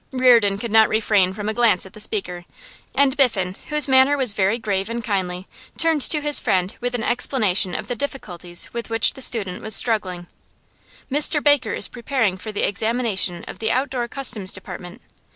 Reardon could not refrain from a glance at the speaker, and Biffen, whose manner was very grave and kindly, turned to his friend with an explanation of the difficulties with which the student was struggling. 'Mr Baker is preparing for the examination of the outdoor Customs Department.